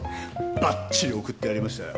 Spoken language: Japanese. ばっちり送ってやりましたよ。